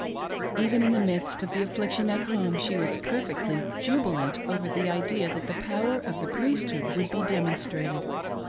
Even i^n the midst of the affliction at home she was perfectly jubil ant over the idea that the power of the priesthood would be demonstrated.